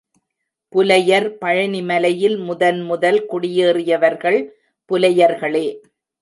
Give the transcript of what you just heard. புலையர் பழனிமலையில் முதன் முதல் குடியேறியவர்கள் புலையர்களே.